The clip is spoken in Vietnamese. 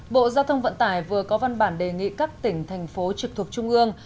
bộ giao thông vận tải vừa có văn bản đề nghị các tỉnh thành phố trực thuộc trung ương